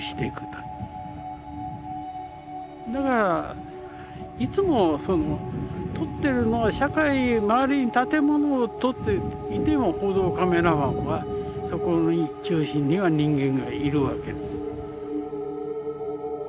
だからいつも撮ってるのは社会ある意味建物を撮っていても報道カメラマンはそこに中心には人間がいるわけです。